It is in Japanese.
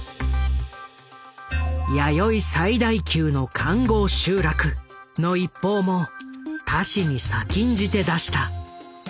「弥生最大級の環濠集落」の一報も他紙に先んじて出した。